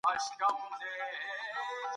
د ارغنداب سیند د اوبو څخه ماهیان هم ښکارېږي.